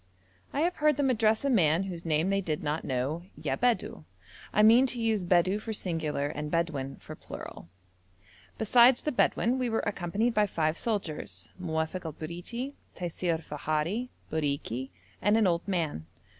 I have heard them address a man whose name they did not know 'Ya Bedou.' I mean to use Bedou for singular and Bedouin for plural. Besides the Bedouin we were accompanied by five soldiers, Muofok el Briti, Taisir i Fahari, Bariki, and an old man.